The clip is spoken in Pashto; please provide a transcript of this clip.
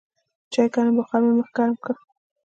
د چای ګرم بخار مې مخ ګرم کړ.